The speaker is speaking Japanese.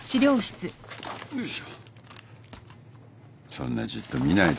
そんなじっと見ないで。